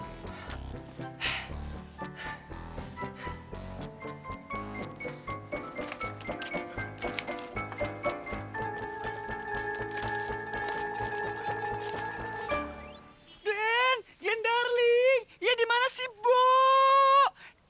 glen glen darling ya dimana si boh